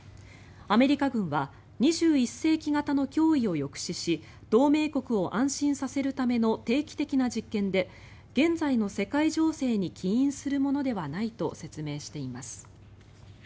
アメリカ軍は２１世紀型の脅威を抑止し同盟国を安心させるための定期的な実験で現在の世界情勢に起因するものではないと説明しています。